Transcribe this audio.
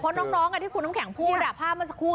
เพราะน้องที่คุณน้ำแข็งพูดภาพเมื่อสักครู่